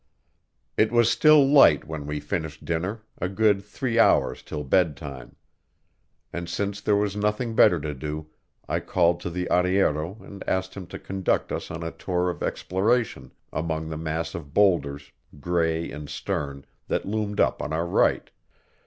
It was still light when we finished dinner, a good three hours till bedtime. And since there was nothing better to do, I called to the arriero and asked him to conduct us on a tour of exploration among the mass of boulders, gray and stern, that loomed up on our right.